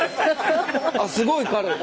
あっすごい軽い！